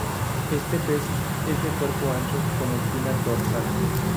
Este pez es de cuerpo ancho, con espinas dorsales.